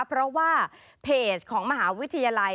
เพราะว่าเพจของมหาวิทยาลัย